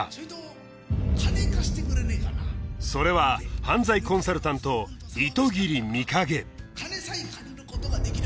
それは犯罪コンサルタント糸切美影